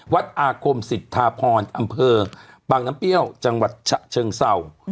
วัดอาคมสิทธาพรอำเภอบางน้ำเปรี้ยวจังหวัดฉะเชิงเศร้า